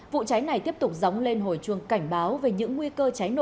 vụ cháy này tiếp tục dóng lên hồi chuông cảnh báo về những nguy cơ cháy nổ